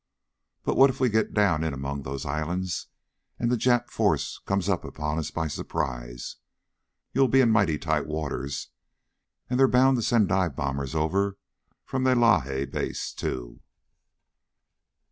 "But what if we get down in among those islands and that Jap force comes up on us by surprise? You'll be in mighty tight waters. And they're bound to send dive bombers over from their Lae base, too."